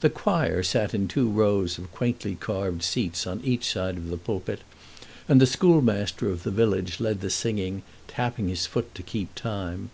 The choir sat in two rows of quaintly carved seats on each side of the pulpit, and the school master of the village led the singing, tapping his foot to keep time.